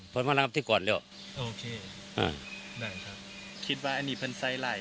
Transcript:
ผมมารับที่ก่อนเร็วโอเคอ่านั่นครับคิดว่าอันนี้เพื่อนไส้ไหล่